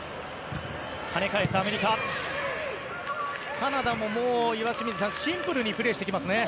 カナダもシンプルにプレーしてきますね。